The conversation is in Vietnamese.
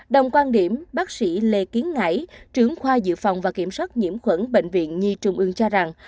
đồng quan điểm bác sĩ lê tiến ngãi trưởng khoa dự phòng và kiểm soát nhiễm khuẩn bệnh viện nhi trung ương cho rằng